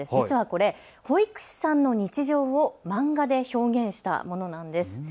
これ保育士さんの日常を漫画で表現したものなんです。